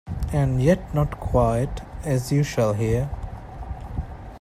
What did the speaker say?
And yet not quite, as you shall hear.